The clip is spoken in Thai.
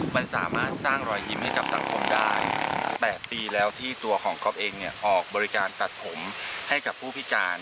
มันสามารถสร้างรอยยิ้มให้กับสังคมได้๘ปีแล้วที่ตัวของก๊อฟเองออกบริการตัดผมให้กับผู้พิการ